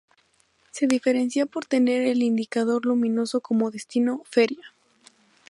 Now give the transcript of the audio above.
Se diferencia por tener en el indicador luminoso como destino "Feria".